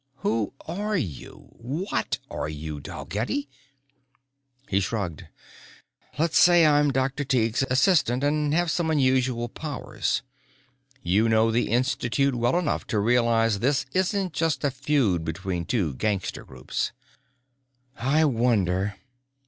Who are you? What are you, Dalgetty?" He shrugged. "Let's say I'm Dr. Tighe's assistant and have some unusual powers. You know the Institute well enough to realize this isn't just a feud between two gangster groups." "I wonder...."